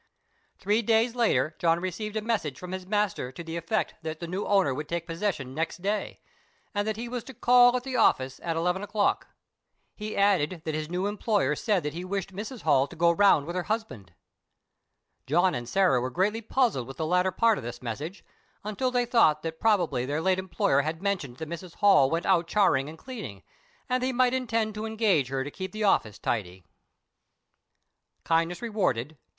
Three days later John received a message from his master to the effect that the new owner would take possession next day, and that he was to call at the office at eleven o'clock. He added that his new employer said that he wished Mrs. Holl to go round with her husband. John and Sarah were greatly puzzled with the latter part of this message, until they thought that probably their late employer had mentioned that Mrs. Holl went out charring and cleaning, and that he might intend to engage her to keep the office tidy. KINDNESS REWARDED.